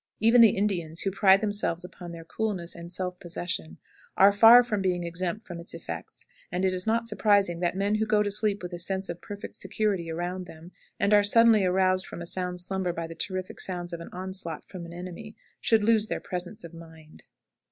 Even the Indians, who pride themselves upon their coolness and self possession, are far from being exempt from its effects; and it is not surprising that men who go to sleep with a sense of perfect security around them, and are suddenly aroused from a sound slumber by the terrific sounds of an onslaught from an enemy, should lose their presence of mind.